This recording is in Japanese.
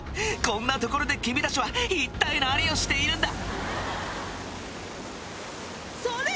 こんなところで君達は一体何をしているんだ！？